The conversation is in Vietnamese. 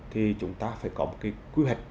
thì chúng ta phải có một cái quy hoạch